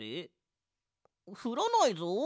ふらないぞあめ。